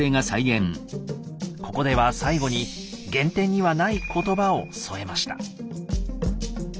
ここでは最後に原典にはない言葉を添えました。